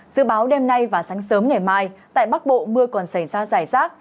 dự báo đêm nay và sáng sớm ngày mai tại bắc bộ mưa còn xảy ra rải rác